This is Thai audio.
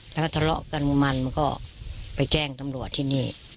แล้วก็ทะเลาะกันมันมันก็ไปแจ้งตำรวจที่นี่